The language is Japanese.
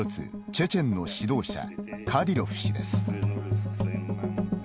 チェチェンの指導者カディロフ氏です。